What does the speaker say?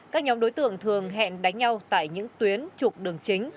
các nhóm đối tượng thường hẹn đánh nhau tại những tuyến trục đường chính